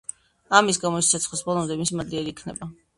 ამის გამო, ის სიცოცხლის ბოლომდე მისი მადლიერი იქნება.